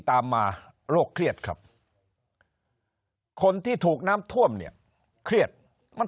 ตามมาโรคเครียดครับคนที่ถูกน้ำท่วมเนี่ยเครียดมัน